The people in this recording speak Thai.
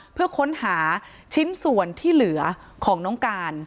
เพื่อค้นหาชิ้นส่วนที่เหลือของน้องการ